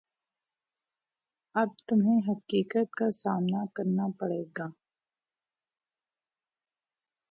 اب تمہیں حقیقت کا سامنا کرنا پڑے گا